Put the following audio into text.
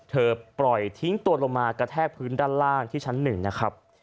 ปล่อยทิ้งตัวลงมากระแทกพื้นด้านล่างที่ชั้น๑นะครับ